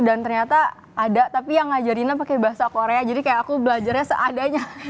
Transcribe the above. dan ternyata ada tapi yang ngajarinnya pakai bahasa korea jadi kayak aku belajarnya seadanya